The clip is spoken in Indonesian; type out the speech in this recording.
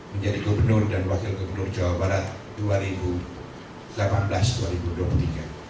menjadi gubernur dan wakil gubernur jawa barat dua ribu delapan belas dua ribu dua puluh tiga